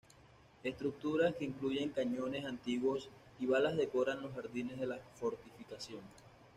Estructuras que incluyen cañones antiguos y balas decoran los jardines de la fortificación.